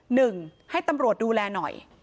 หนึ่งให้ตำรวจดูแลหน่อย